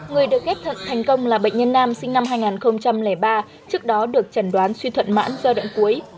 người được ghép thận thành công là bệnh nhân nam sinh năm hai nghìn ba trước đó được chẩn đoán suy thuận mãn do đoạn cuối